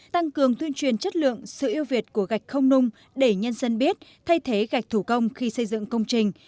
tăng cường tuyên truyền chất lượng sự yêu việt của gạch không nung để nhân dân biết thay thế gạch thủ công khi xây dựng công trình